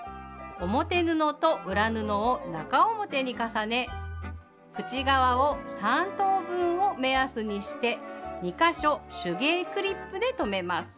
表布と裏布を中表に重ね口側を３等分を目安にして２か所手芸クリップで留めます。